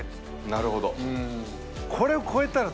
なるほど。